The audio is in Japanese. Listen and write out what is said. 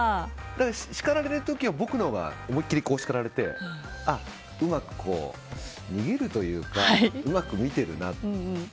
叱られる時は僕のほうが思い切り叱られてうまく逃げるというかうまく見てるなと。